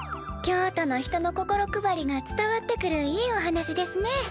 京都の人の心配りが伝わってくるいいお話ですね。